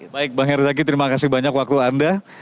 baik bang herzaki terima kasih banyak waktu anda